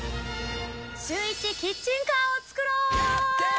シューイチキッチンカーを作ろう。